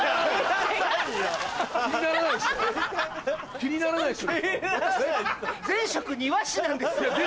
気にならない人ですか？